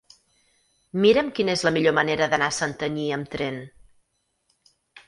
Mira'm quina és la millor manera d'anar a Santanyí amb tren.